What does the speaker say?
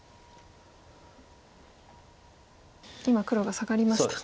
今黒がサガりました。